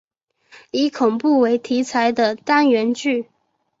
以恐怖为题材的单元剧。